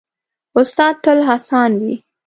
استاد تل هڅاند وي.